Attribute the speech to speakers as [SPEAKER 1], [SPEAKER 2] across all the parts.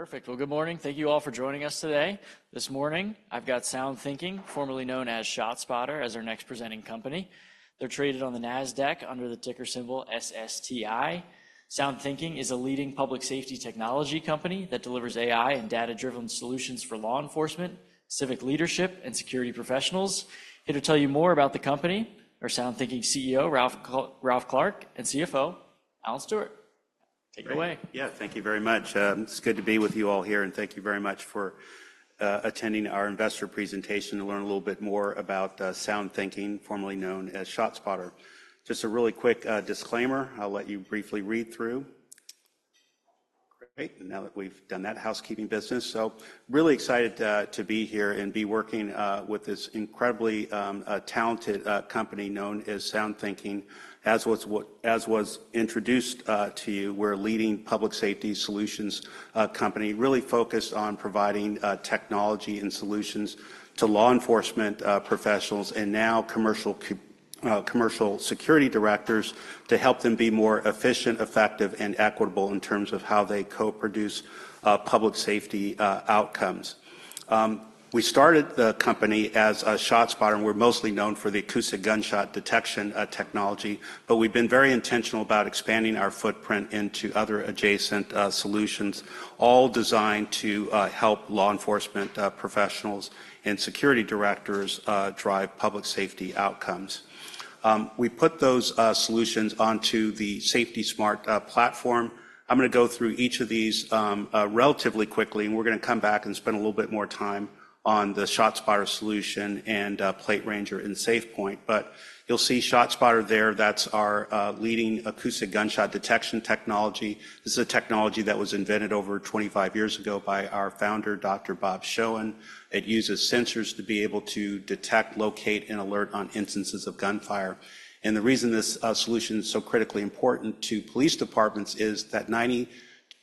[SPEAKER 1] Perfect. Good morning. Thank you all for joining us today. This morning, I've got SoundThinking, formerly known as ShotSpotter, as our next presenting company. They're traded on the NASDAQ under the ticker symbol SSTI. SoundThinking is a leading public safety technology company that delivers AI and data-driven solutions for law enforcement, civic leadership, and security professionals. Here to tell you more about the company are SoundThinking CEO Ralph Clark and CFO Alan Stewart. Take it away.
[SPEAKER 2] Great. Yeah, thank you very much. It's good to be with you all here, and thank you very much for attending our investor presentation to learn a little bit more about SoundThinking, formerly known as ShotSpotter. Just a really quick disclaimer I'll let you briefly read through. Great, and now that we've done that housekeeping business, so really excited to be here and be working with this incredibly talented company known as SoundThinking. As was introduced to you, we're a leading public safety solutions company, really focused on providing technology and solutions to law enforcement professionals, and now commercial security directors to help them be more efficient, effective, and equitable in terms of how they co-produce public safety outcomes. We started the company as ShotSpotter, and we're mostly known for the acoustic gunshot detection technology, but we've been very intentional about expanding our footprint into other adjacent solutions, all designed to help law enforcement professionals and security directors drive public safety outcomes. We put those solutions onto the SafetySmart platform. I'm gonna go through each of these relatively quickly, and we're gonna come back and spend a little bit more time on the ShotSpotter solution and PlateRanger and SafePointe. You'll see ShotSpotter there. That's our leading acoustic gunshot detection technology. This is a technology that was invented over twenty-five years ago by our founder, Dr. Bob Showen. It uses sensors to be able to detect, locate, and alert on instances of gunfire. And the reason this solution is so critically important to police departments is that 90%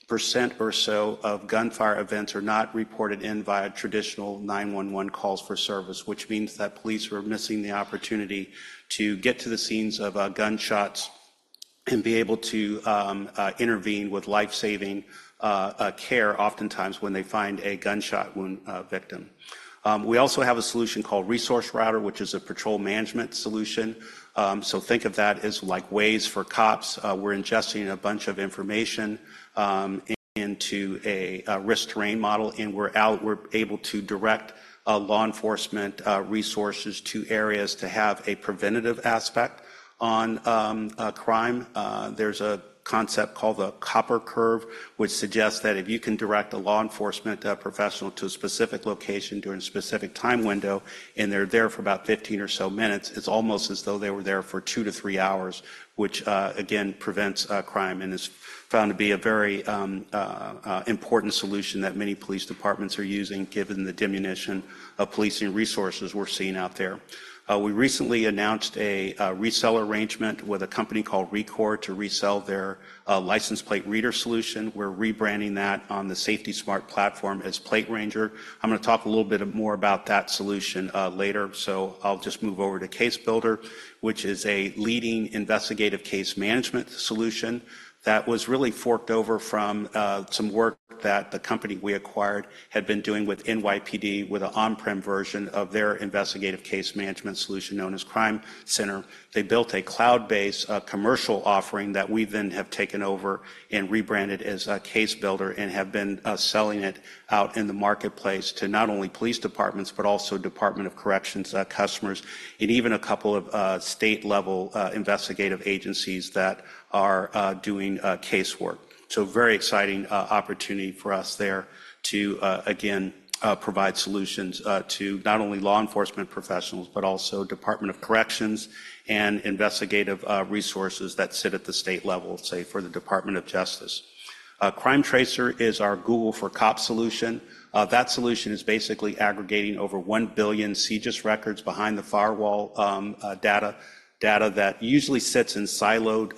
[SPEAKER 2] or so of gunfire events are not reported in via traditional nine one one calls for service, which means that police are missing the opportunity to get to the scenes of gunshots and be able to intervene with life-saving care, oftentimes, when they find a gunshot wound victim. We also have a solution called ResourceRouter, which is a patrol management solution. So think of that as like Waze for cops. We're ingesting a bunch of information into a risk terrain model, and we're able to direct law enforcement resources to areas to have a preventative aspect on crime. There's a concept called the Koper Curve, which suggests that if you can direct a law enforcement professional to a specific location during a specific time window, and they're there for about fifteen or so minutes, it's almost as though they were there for two to three hours, which, again, prevents crime and is found to be a very important solution that many police departments are using, given the diminution of policing resources we're seeing out there. We recently announced a reseller arrangement with a company called Rekor to resell their license plate reader solution. We're rebranding that on the SafetySmart platform as PlateRanger. I'm gonna talk a little bit more about that solution later, so I'll just move over to CaseBuilder, which is a leading investigative case management solution that was really forked over from some work that the company we acquired had been doing with NYPD, with an on-prem version of their investigative case management solution known as CrimeCenter. They built a cloud-based commercial offering that we then have taken over and rebranded as CaseBuilder and have been selling it out in the marketplace to not only police departments, but also department of corrections customers, and even a couple of state-level investigative agencies that are doing casework. So a very exciting opportunnity's ity for us there to again provide solutions to not only law enforcement professionals, but also Department of Corrections and investigative resources that sit at the state level, say, for the Department of Justice. CrimeTracer is our Google for Cops solution. That solution is basically aggregating over 1 billion CJIS records behind the firewall, data that usually sits in siloed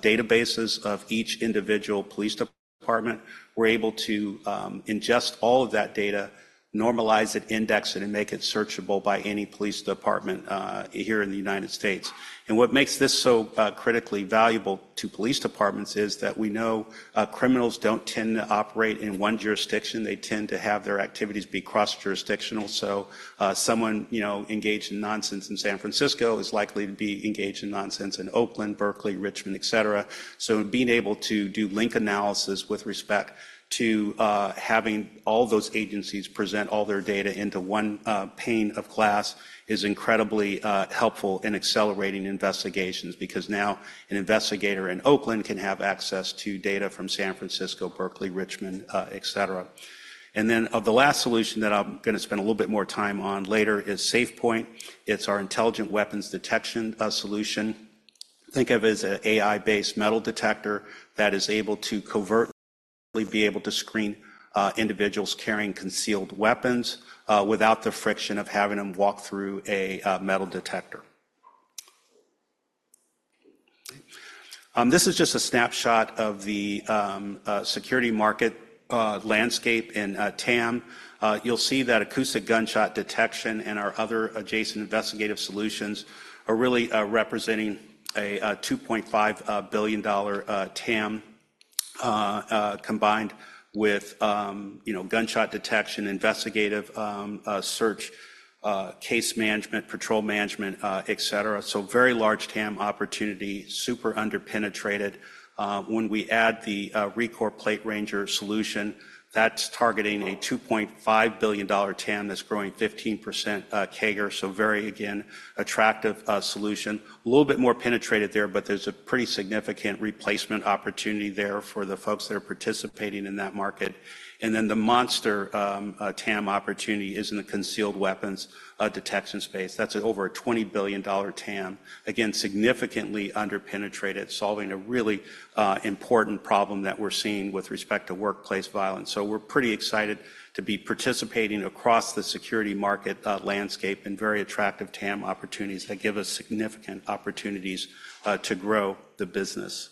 [SPEAKER 2] databases of each individual police department. We're able to ingest all of that data, normalize it, index it, and make it searchable by any police department here in the United States. And what makes this so critically valuable to police departments is that we know criminals don't tend to operate in one jurisdiction. They tend to have their activities be cross-jurisdictional. Someone, you know, engaged in nonsense in San Francisco is likely to be engaged in nonsense in Oakland, Berkeley, Richmond, et cetera. Being able to do link analysis with respect to having all those agencies present all their data into one pane of glass is incredibly helpful in accelerating investigations because now an investigator in Oakland can have access to data from San Francisco, Berkeley, Richmond, et cetera. The last solution that I'm gonna spend a little bit more time on later is SafePointe. It's our intelligent weapons detection solution. Think of it as an AI-based metal detector that is able to covertly screen individuals carrying concealed weapons without the friction of having them walk through a metal detector. This is just a snapshot of the security market landscape in TAM. You'll see that acoustic gunshot detection and our other adjacent investigative solutions are really representing a $2.5 billion TAM, combined with, you know, gunshot detection, investigative search, case management, patrol management, et cetera. So very large TAM opportunity, super under-penetrated. When we add the Rekor PlateRanger solution, that's targeting a $2.5 billion TAM that's growing 15% CAGR, so very, again, attractive solution. A little bit more penetrated there, but there's a pretty significant replacement opportunity there for the folks that are participating in that market. And then the monster TAM opportunity is in the concealed weapons detection space. That's over a $20 billion TAM. Again, significantly under-penetrated, solving a really important problem that we're seeing with respect to workplace violence. So we're pretty excited to be participating across the security market landscape, and very attractive TAM opportunities that give us significant opportunities to grow the business.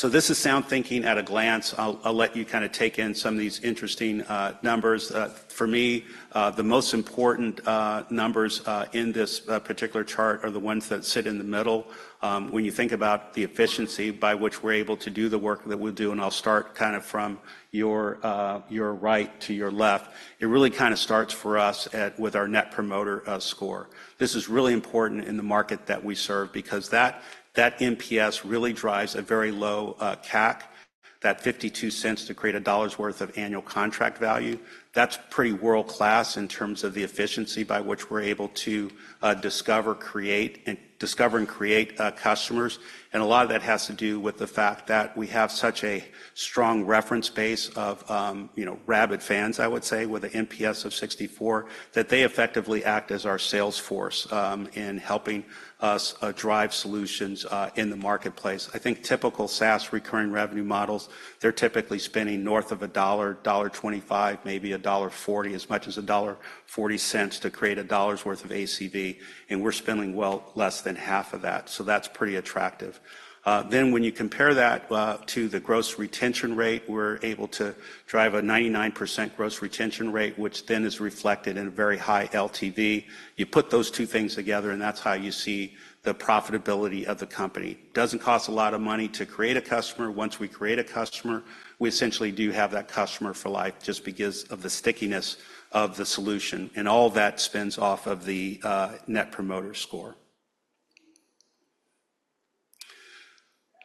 [SPEAKER 2] So this is SoundThinking at a glance. I'll let you kinda take in some of these interesting numbers. For me, the most important numbers in this particular chart are the ones that sit in the middle, when you think about the efficiency by which we're able to do the work that we do, and I'll start kind of from your right to your left. It really kinda starts for us at with our Net Promoter Score. This is really important in the market that we serve because that NPS really drives a very low CAC. That $0.52 to create $1 worth of annual contract value, that's pretty world-class in terms of the efficiency by which we're able to discover, create, and customers. And a lot of that has to do with the fact that we have such a strong reference base of, you know, rabid fans, I would say, with an NPS of 64, that they effectively act as our sales force in helping us drive solutions in the marketplace. I think typical SaaS recurring revenue models, they're typically spending north of $1, $1.25, maybe $1.40, as much as $1.40 to create $1 worth of ACV, and we're spending well less than half of that, so that's pretty attractive. Then, when you compare that to the gross retention rate, we're able to drive a 99% gross retention rate, which then is reflected in a very high LTV. You put those two things together, and that's how you see the profitability of the company. Doesn't cost a lot of money to create a customer. Once we create a customer, we essentially do have that customer for life just because of the stickiness of the solution, and all that spins off of the Net Promoter Score.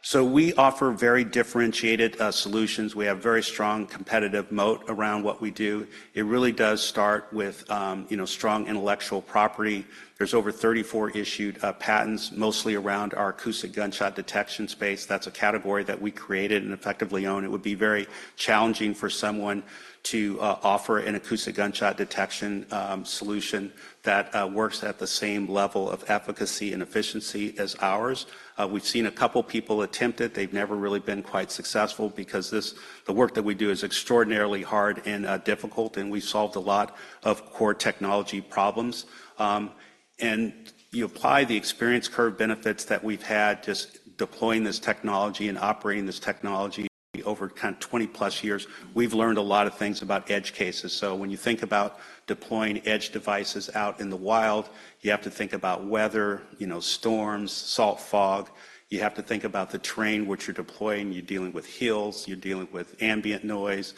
[SPEAKER 2] So we offer very differentiated solutions. We have very strong competitive moat around what we do. It really does start with, you know, strong intellectual property. There's over 34 issued patents, mostly around our acoustic gunshot detection space. That's a category that we created and effectively own. It would be very challenging for someone to offer an acoustic gunshot detection solution that works at the same level of efficacy and efficiency as ours. We've seen a couple people attempt it. They've never really been quite successful because this... the work that we do is extraordinarily hard and difficult, and we've solved a lot of core technology problems. And you apply the experience curve benefits that we've had just deploying this technology and operating this technology over kind of twenty-plus years. We've learned a lot of things about edge cases. So when you think about deploying edge devices out in the wild, you have to think about weather, you know, storms, salt fog. You have to think about the terrain which you're deploying. You're dealing with hills, you're dealing with ambient noise,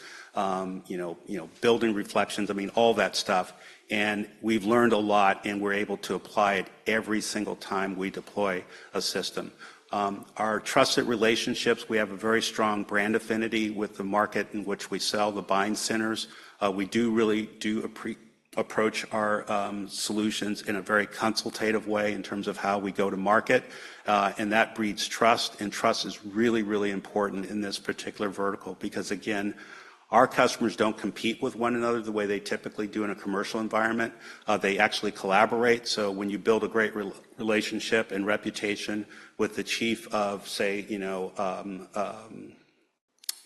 [SPEAKER 2] you know, you know, building reflections. I mean, all that stuff, and we've learned a lot, and we're able to apply it every single time we deploy a system. Our trusted relationships, we have a very strong brand affinity with the market in which we sell, the buying centers. We do really do approach our solutions in a very consultative way in terms of how we go to market, and that breeds trust, and trust is really, really important in this particular vertical because, again, our customers don't compete with one another the way they typically do in a commercial environment. They actually collaborate. So when you build a great relationship and reputation with the chief of, say, you know,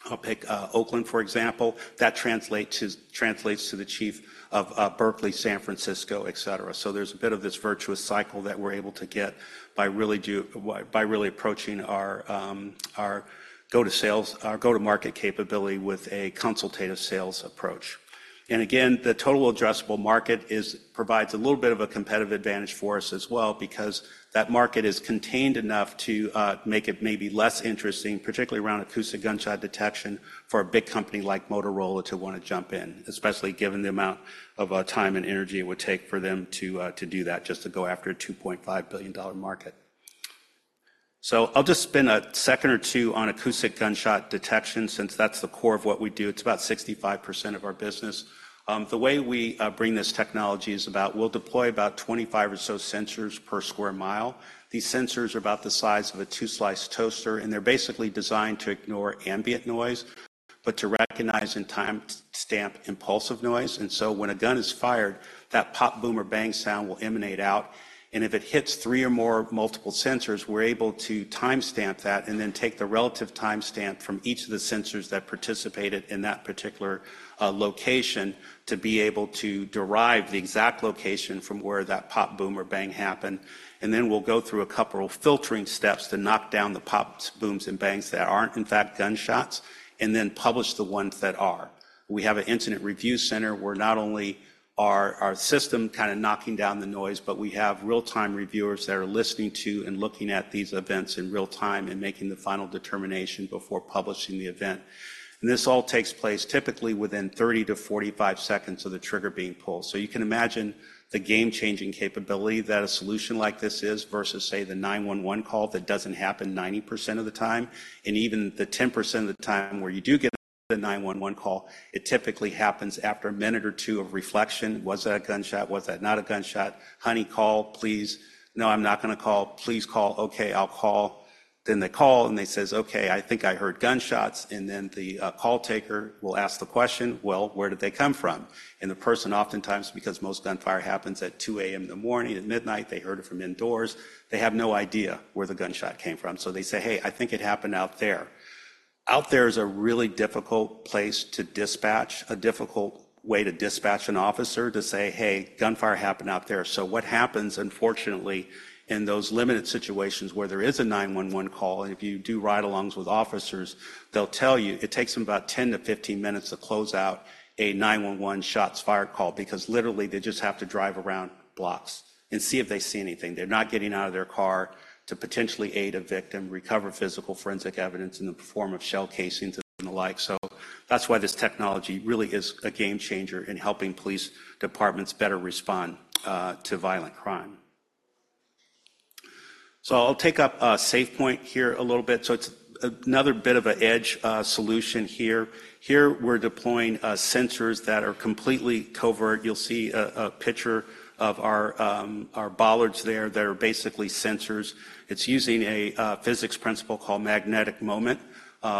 [SPEAKER 2] I'll pick Oakland, for example, that translates to the chief of Berkeley, San Francisco, et cetera. So there's a bit of this virtuous cycle that we're able to get by really approaching our go-to sales, our go-to-market capability with a consultative sales approach. And again, the total addressable market provides a little bit of a competitive advantage for us as well because that market is contained enough to make it maybe less interesting, particularly around acoustic gunshot detection, for a big company like Motorola to wanna jump in, especially given the amount of time and energy it would take for them to do that, just to go after a $2.5 billion market. So I'll just spend a second or two on acoustic gunshot detection, since that's the core of what we do. It's about 65% of our business. The way we bring this technology is about, we'll deploy about twenty-five or so sensors per sq mi. These sensors are about the size of a two-slice toaster, and they're basically designed to ignore ambient noise, but to recognize and timestamp impulsive noise, and so when a gun is fired, that pop, boom, or bang sound will emanate out, and if it hits three or more multiple sensors, we're able to timestamp that and then take the relative timestamp from each of the sensors that participated in that particular location to be able to derive the exact location from where that pop, boom, or bang happened. And then we'll go through a couple of filtering steps to knock down the pops, booms, and bangs that aren't, in fact, gunshots, and then publish the ones that are... We have an Incident Review Center where not only are our system kind of knocking down the noise, but we have real-time reviewers that are listening to and looking at these events in real time and making the final determination before publishing the event. This all takes place typically within 30-45 seconds of the trigger being pulled. You can imagine the game-changing capability that a solution like this is versus, say, the 9-1-1 call that doesn't happen 90% of the time, and even the 10% of the time where you do get the 9-1-1 call, it typically happens after a minute or two of reflection. Was that a gunshot? Was that not a gunshot? Honey, call, please." "No, I'm not gonna call." "Please call." "Okay, I'll call." Then they call, and they says, "Okay, I think I heard gunshots." And then the call taker will ask the question: "Well, where did they come from?" And the person, oftentimes, because most gunfire happens at 2:00 A.M. in the morning, at midnight, they heard it from indoors, they have no idea where the gunshot came from. So they say, "Hey, I think it happened out there." Out there is a really difficult place to dispatch, a difficult way to dispatch an officer to say, "Hey, gunfire happened out there." So what happens, unfortunately, in those limited situations where there is a nine one one call, and if you do ride-alongs with officers, they'll tell you it takes them about ten to 15 minutes to close out a nine one one shots fired call, because literally, they just have to drive around blocks and see if they see anything. They're not getting out of their car to potentially aid a victim, recover physical forensic evidence in the form of shell casings and the like. So that's why this technology really is a game changer in helping police departments better respond to violent crime. So I'll take up SafePoint here a little bit. So it's another bit of an edge solution here. Here, we're deploying sensors that are completely covert. You'll see a picture of our bollards there that are basically sensors. It's using a physics principle called magnetic moment,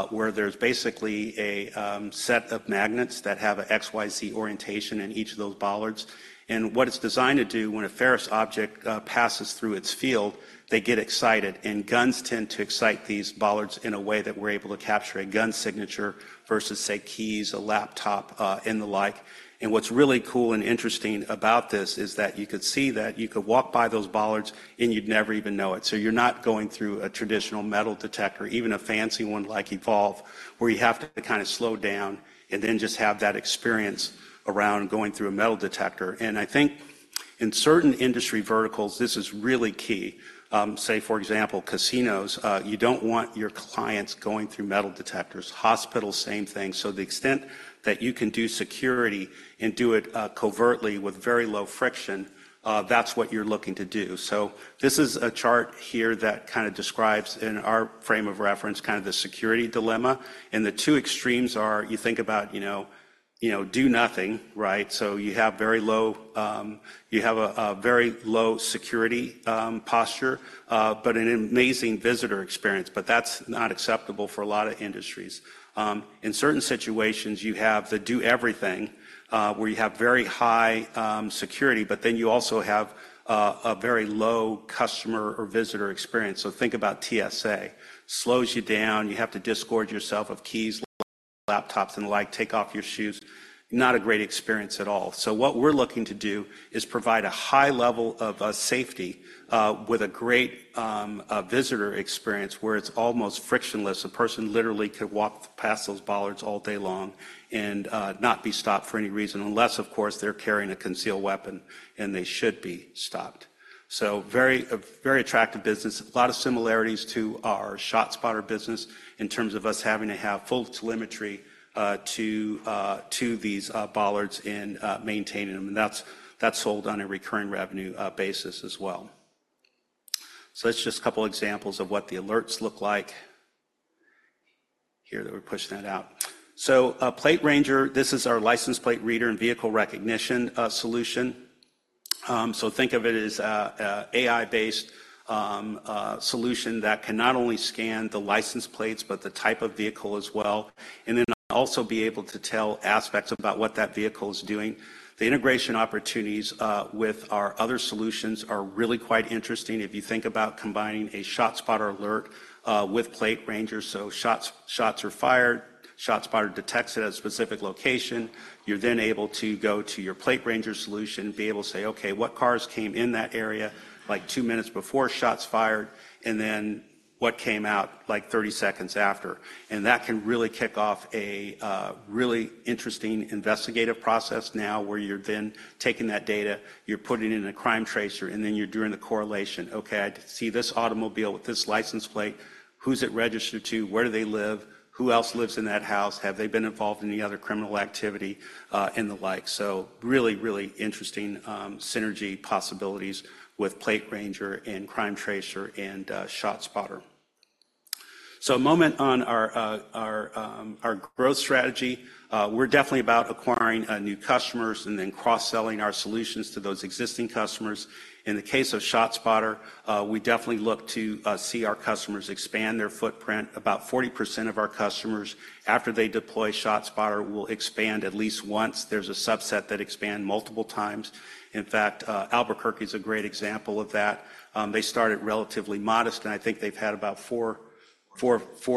[SPEAKER 2] where there's basically a set of magnets that have a XYZ orientation in each of those bollards. And what it's designed to do, when a ferrous object passes through its field, they get excited, and guns tend to excite these bollards in a way that we're able to capture a gun signature versus, say, keys, a laptop, and the like. And what's really cool and interesting about this is that you could see that you could walk by those bollards, and you'd never even know it. So you're not going through a traditional metal detector, even a fancy one like Evolv, where you have to kind of slow down and then just have that experience around going through a metal detector. And I think in certain industry verticals, this is really key. Say, for example, casinos, you don't want your clients going through metal detectors. Hospitals, same thing. So to the extent that you can do security and do it covertly with very low friction, that's what you're looking to do. So this is a chart here that kind of describes, in our frame of reference, kind of the security dilemma, and the two extremes are, you think about, you know, do nothing, right? So you have very low... You have a very low security posture, but an amazing visitor experience, but that's not acceptable for a lot of industries. In certain situations, you have to do everything, where you have very high security, but then you also have a very low customer or visitor experience. So think about TSA. It slows you down. You have to divest yourself of keys, laptops, and the like. Take off your shoes. Not a great experience at all. So what we're looking to do is provide a high level of safety with a great visitor experience where it's almost frictionless. A person literally could walk past those bollards all day long and not be stopped for any reason, unless, of course, they're carrying a concealed weapon, and they should be stopped. So a very attractive business. A lot of similarities to our ShotSpotter business in terms of us having to have full telemetry to these bollards and maintaining them, and that's sold on a recurring revenue basis as well. So that's just a couple examples of what the alerts look like. Here, let me push that out. So, PlateRanger, this is our license plate reader and vehicle recognition solution. So think of it as a AI-based solution that can not only scan the license plates but the type of vehicle as well, and then also be able to tell aspects about what that vehicle is doing. The integration opportunities with our other solutions are really quite interesting. If you think about combining a ShotSpotter alert with PlateRanger, so shots are fired, ShotSpotter detects it at a specific location. You're then able to go to your PlateRanger solution and be able to say, "Okay, what cars came in that area, like, two minutes before shots fired, and then what came out, like, thirty seconds after?" And that can really kick off a really interesting investigative process now, where you're then taking that data, you're putting it in a CrimeTracer, and then you're doing the correlation. Okay, I see this automobile with this license plate. Who's it registered to? Where do they live? Who else lives in that house? Have they been involved in any other criminal activity, and the like? So really, really interesting synergy possibilities with PlateRanger and CrimeTracer and ShotSpotter. So a moment on our growth strategy. We're definitely about acquiring new customers and then cross-selling our solutions to those existing customers. In the case of ShotSpotter, we definitely look to see our customers expand their footprint. About 40% of our customers, after they deploy ShotSpotter, will expand at least once. There's a subset that expand multiple times. In fact, Albuquerque is a great example of that. They started relatively modest, and I think they've had about four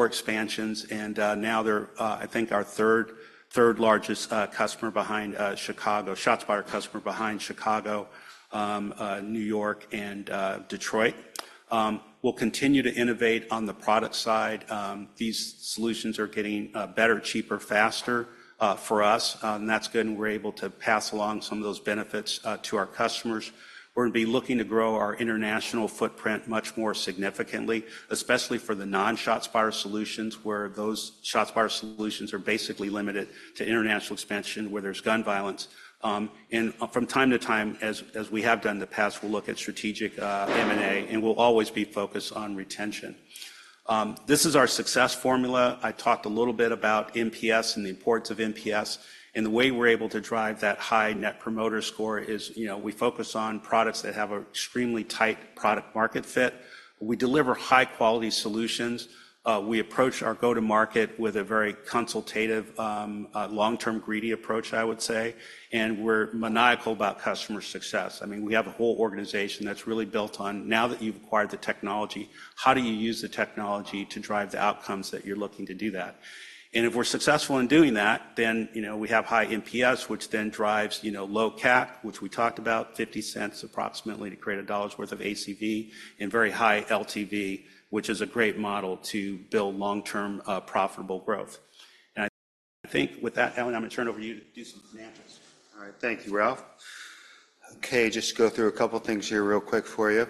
[SPEAKER 2] expansions, and now they're, I think, our third-largest customer behind Chicago, ShotSpotter customer behind Chicago, New York, and Detroit. We'll continue to innovate on the product side. These solutions are getting better, cheaper, faster for us, and that's good, and we're able to pass along some of those benefits to our customers. We're gonna be looking to grow our international footprint much more significantly, especially for the non-ShotSpotter solutions, where those ShotSpotter solutions are basically limited to international expansion, where there's gun violence, and from time to time, as we have done in the past, we'll look at strategic M&A, and we'll always be focused on retention. This is our success formula. I talked a little bit about NPS and the importance of NPS, and the way we're able to drive that high Net Promoter Score is, you know, we focus on products that have an extremely tight product-market fit. We deliver high-quality solutions. We approach our go-to-market with a very consultative long-term greedy approach, I would say, and we're maniacal about customer success. I mean, we have a whole organization that's really built on, now that you've acquired the technology, how do you use the technology to drive the outcomes that you're looking to do that? And if we're successful in doing that, then, you know, we have high NPS, which then drives, you know, low CAP, which we talked about, approximately $0.50 to create $1 worth of ACV, and very high LTV, which is a great model to build long-term, profitable growth. And I think with that, Alan, I'm going to turn it over to you to do some financials.
[SPEAKER 3] All right. Thank you, Ralph. Okay, just go through a couple of things here real quick for you.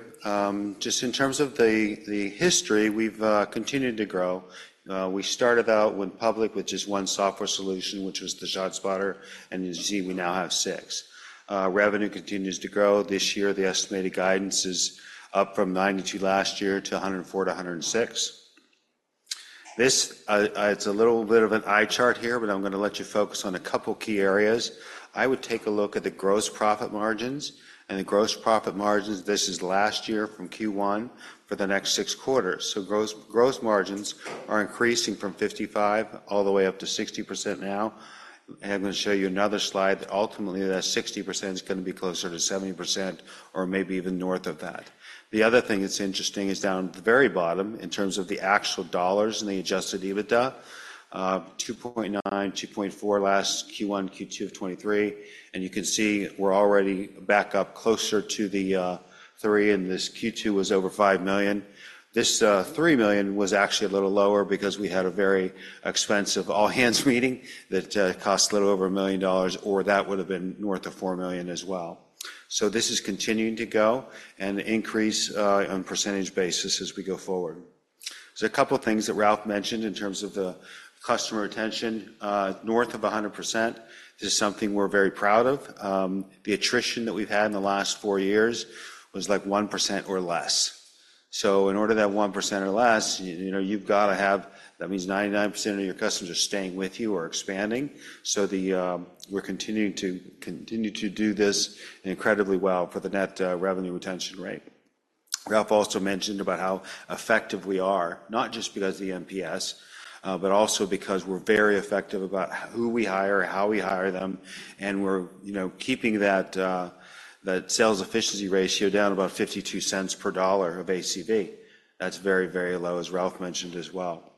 [SPEAKER 3] Just in terms of the, the history, we've continued to grow. We started out when public, which is one software solution, which was the ShotSpotter, and as you see, we now have six. Revenue continues to grow. This year, the estimated guidance is up from 92 last year to 104 to 106. This, it's a little bit of an eye chart here, but I'm gonna let you focus on a couple of key areas. I would take a look at the gross profit margins, and the gross profit margins, this is last year from Q1 for the next six quarters. So gross, gross margins are increasing from 55% all the way up to 60% now. I'm gonna show you another slide that ultimately that 60% is gonna be closer to 70% or maybe even north of that. The other thing that's interesting is down at the very bottom in terms of the actual dollars and the Adjusted EBITDA, $2.9, $2.4 last Q1, Q2 of 2023, and you can see we're already back up closer to the $3, and this Q2 was over $5 million. This $3 million was actually a little lower because we had a very expensive all hands meeting that cost a little over $1 million, or that would have been north of $4 million as well. So this is continuing to go and increase on percentage basis as we go forward. So a couple of things that Ralph mentioned in terms of the customer retention, north of 100% is something we're very proud of. The attrition that we've had in the last four years was, like, 1% or less. So in order that 1% or less, you know, you've got to have. That means 99% of your customers are staying with you or expanding. So, we're continuing to do this incredibly well for the net revenue retention rate. Ralph also mentioned about how effective we are, not just because of the NPS, but also because we're very effective about who we hire, how we hire them, and we're, you know, keeping that, that sales efficiency ratio down about $0.52 per dollar of ACV. That's very, very low, as Ralph mentioned as well.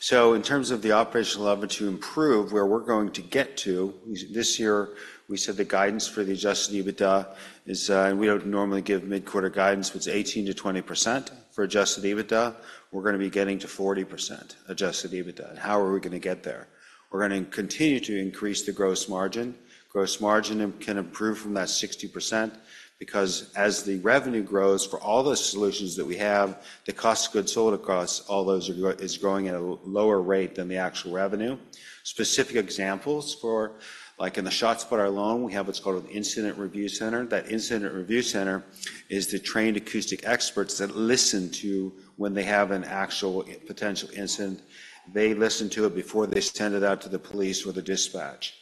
[SPEAKER 3] So in terms of the operational leverage to improve, where we're going to get to, this year, we said the guidance for the adjusted EBITDA is, and we don't normally give mid-quarter guidance, but it's 18%-20% for adjusted EBITDA. We're gonna be getting to 40% adjusted EBITDA. And how are we gonna get there? We're gonna continue to increase the gross margin. Gross margin can improve from that 60% because as the revenue grows for all the solutions that we have, the cost of goods sold across all those is growing at a lower rate than the actual revenue. Specific examples for, like in the ShotSpotter alone, we have what's called an Incident Review Center. That Incident Review Center is the trained acoustic experts that listen to when they have an actual potential incident. They listen to it before they send it out to the police or the dispatch.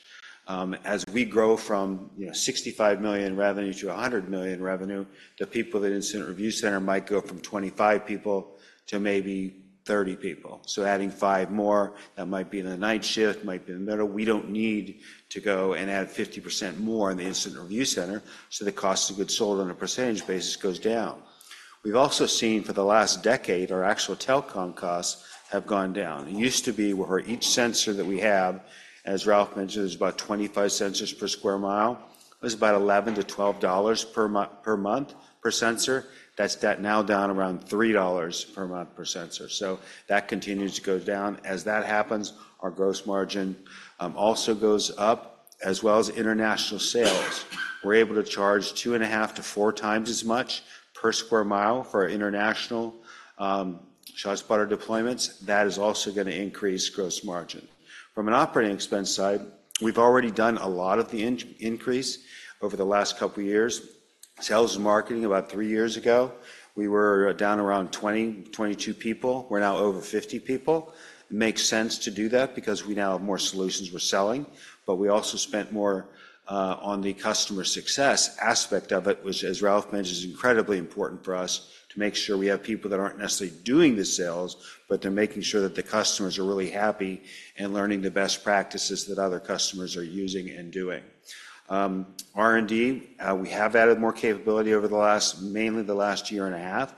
[SPEAKER 3] As we grow from, you know, $65 million revenue to $100 million revenue, the people at Incident Review Center might go from 25 people to maybe 30 people. So adding 5 more, that might be in the night shift, might be in the middle. We don't need to go and add 50% more in the Incident Review Center, so the cost of goods sold on a percentage basis goes down. We've also seen for the last decade, our actual telecom costs have gone down. It used to be where each sensor that we have, as Ralph mentioned, is about 25 sensors per sq mi, is about $11-$12 per month per sensor. That's now down around $3 per month per sensor. So that continues to go down. As that happens, our gross margin also goes up, as well as international sales. We're able to charge two and a half to four times as much per sq mi for our international ShotSpotter deployments. That is also gonna increase gross margin. From an operating expense side, we've already done a lot of the increase over the last couple of years. Sales and marketing, about three years ago, we were down around twenty-two people. We're now over 50 people. It makes sense to do that because we now have more solutions we're selling, but we also spent more on the customer success aspect of it, which, as Ralph mentioned, is incredibly important for us to make sure we have people that aren't necessarily doing the sales, but they're making sure that the customers are really happy... and learning the best practices that other customers are using and doing. R&D, we have added more capability over the last, mainly the last year and a half.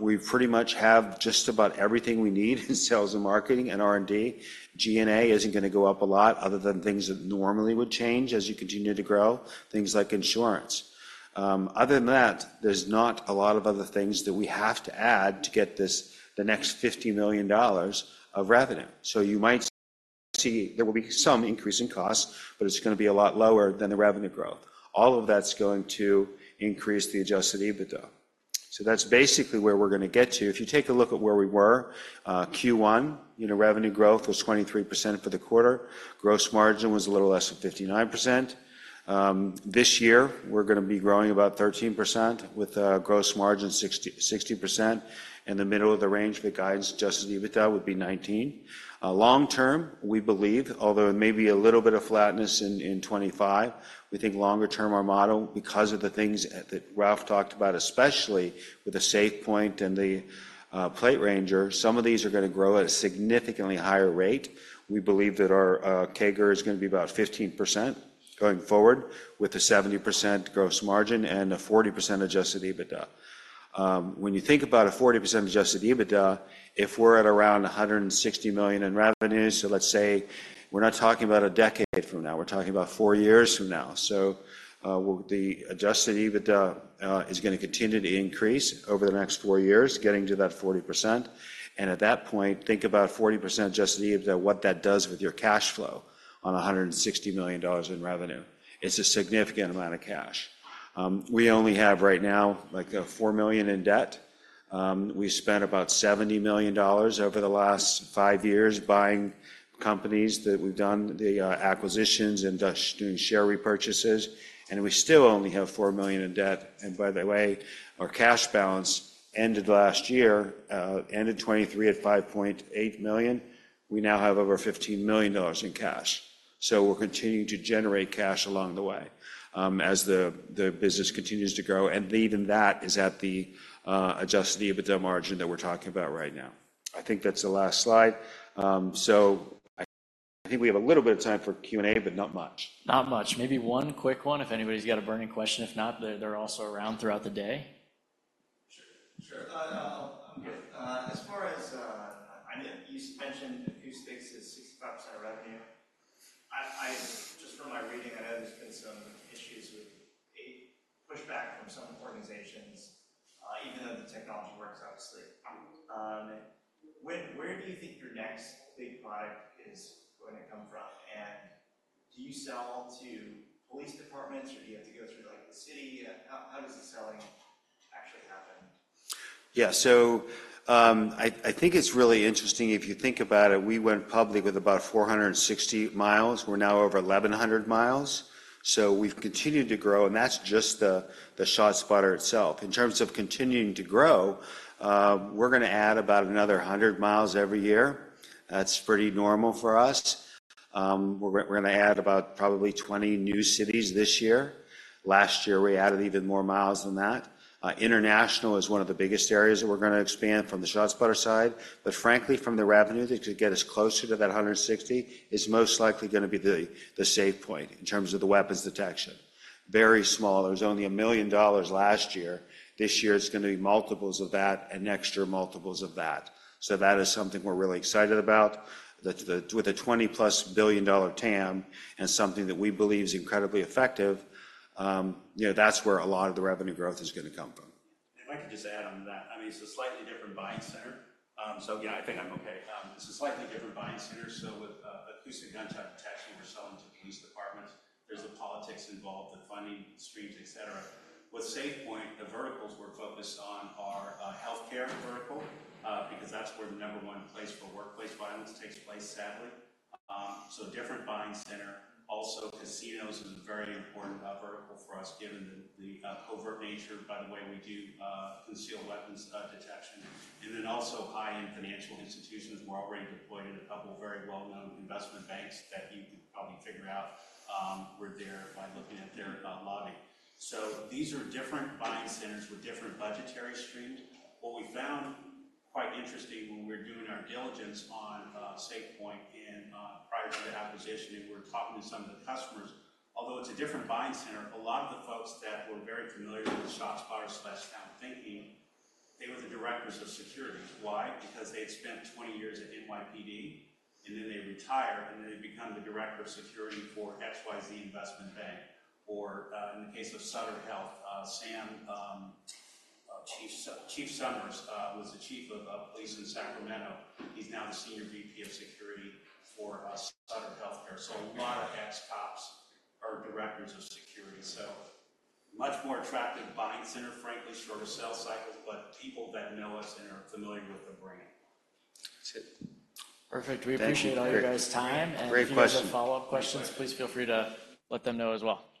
[SPEAKER 3] We pretty much have just about everything we need in sales and marketing and R&D. G&A isn't going to go up a lot other than things that normally would change as you continue to grow, things like insurance. Other than that, there's not a lot of other things that we have to add to get this, the next $50 million of revenue. So you might see there will be some increase in costs, but it's going to be a lot lower than the revenue growth. All of that's going to increase the Adjusted EBITDA. So that's basically where we're going to get to. If you take a look at where we were, Q1, you know, revenue growth was 23% for the quarter. Gross margin was a little less than 59%. This year, we're going to be growing about 13% with a gross margin 60%. In the middle of the range, the guidance Adjusted EBITDA would be 19%. Long term, we believe, although it may be a little bit of flatness in 2025, we think longer term our model, because of the things that Ralph talked about, especially with the SafePoint and the PlateRanger, some of these are going to grow at a significantly higher rate. We believe that our CAGR is going to be about 15% going forward, with a 70% gross margin and a 40% Adjusted EBITDA. When you think about a 40% adjusted EBITDA, if we're at around 160 million in revenue, so let's say we're not talking about a decade from now, we're talking about four years from now. So, the adjusted EBITDA is going to continue to increase over the next four years, getting to that 40%. And at that point, think about 40% adjusted EBITDA, what that does with your cash flow on $160 million in revenue. It's a significant amount of cash. We only have right now four million in debt. We spent about $70 million over the last five years buying companies that we've done the acquisitions and just doing share repurchases, and we still only have $4 million in debt. By the way, our cash balance ended last year, ended 2023 at $5.8 million. We now have over $15 million in cash. We're continuing to generate cash along the way, as the business continues to grow, and even that is at the Adjusted EBITDA margin that we're talking about right now. I think that's the last slide. I think we have a little bit of time for Q&A, but not much.
[SPEAKER 1] Not much. Maybe one quick one, if anybody's got a burning question. If not, they're also around throughout the day. Sure, sure. As far as I know, you mentioned acoustic is 65% revenue. Just from my reading, I know there's been some issues with a pushback from some organizations, even though the technology works, obviously. Where do you think your next big product is going to come from? And do you sell to police departments, or do you have to go through, like, the city? How does the selling actually happen?
[SPEAKER 3] Yeah, so I think it's really interesting. If you think about it, we went public with about 460 miles. We're now over 1,100 miles, so we've continued to grow, and that's just the ShotSpotter itself. In terms of continuing to grow, we're going to add about another 100 miles every year. That's pretty normal for us. We're going to add about probably 20 new cities this year. Last year, we added even more miles than that. International is one of the biggest areas that we're going to expand from the ShotSpotter side, but frankly, from the revenue that could get us closer to that 160 is most likely going to be the SafePoint in terms of the weapons detection. Very small. It was only $1 million last year. This year, it's going to be multiples of that and next year, multiples of that. So that is something we're really excited about. With a $20-plus billion TAM and something that we believe is incredibly effective, you know, that's where a lot of the revenue growth is going to come from.
[SPEAKER 2] If I could just add on to that, I mean, it's a slightly different buying center. So yeah, I think I'm okay. It's a slightly different buying center, so with acoustic gunshot detection, we're selling to police departments. There's the politics involved, the funding streams, et cetera. With SafePointe, the verticals we're focused on are healthcare vertical, because that's where the number one place for workplace violence takes place, sadly. So different buying center. Also, casinos is a very important vertical for us, given the covert nature, by the way we do concealed weapons detection, and then also high-end financial institutions. We're already deployed in a couple of very well-known investment banks that you can probably figure out where they are by looking at their lobby. So these are different buying centers with different budgetary streams. What we found quite interesting when we were doing our diligence on SafePoint in prior to the acquisition, and we're talking to some of the customers, although it's a different buying center, a lot of the folks that were very familiar with ShotSpotter/SoundThinking, they were the directors of security. Why? Because they'd spent 20 years at NYPD, and then they retire, and then they become the director of security for XYZ Investment Bank, or in the case of Sutter Health, Sam, Chief Somers was the chief of police in Sacramento. He's now the senior VP of security for Sutter Health. So a lot of ex-cops are directors of security, so much more attractive buying center, frankly, shorter sales cycle, but people that know us and are familiar with the brand. That's it.
[SPEAKER 1] Perfect.
[SPEAKER 3] Thank you.
[SPEAKER 1] We appreciate all you guys' time-
[SPEAKER 3] Great question.
[SPEAKER 1] If you have follow-up questions, please feel free to let them know as well.